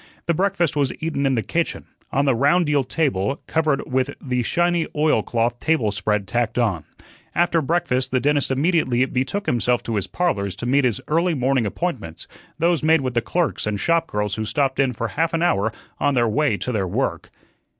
The breakfast was eaten in the kitchen, on the round deal table covered with the shiny oilcloth table spread tacked on. After breakfast the dentist immediately betook himself to his "Parlors" to meet his early morning appointments those made with the clerks and shop girls who stopped in for half an hour on their way to their work.